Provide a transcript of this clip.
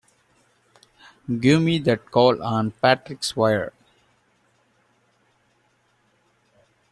Give me that call on Patrick's wire!